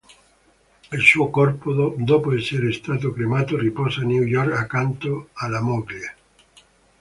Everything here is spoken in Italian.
Il suo corpo, dopo essere stato cremato, riposa a New York accanto alla moglie.